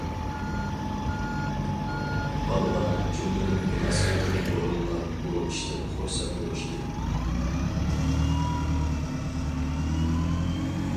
بالىلار، جۈملىدىن مۇناسىۋەتلىك ئورۇنلار بۇ ئىشتىن خۇرسەن بولۇشتى.